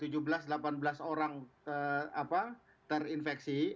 jadi tujuh belas delapan belas orang terinfeksi